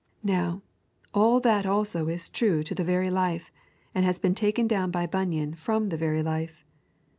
Now, all that also is true to the very life, and has been taken down by Bunyan from the very life.